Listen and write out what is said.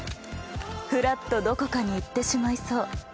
ふらっとどこかに行ってしまいそう。